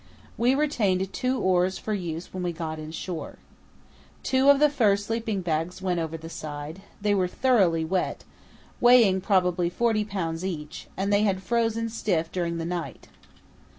We retained two oars for use when we got inshore. Two of the fur sleeping bags went over the side; they were thoroughly wet, weighing probably 40 lbs. each, and they had frozen stiff during the night.